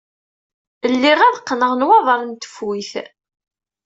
Lliɣ ad qqneɣ nwaḍer n tfuyt.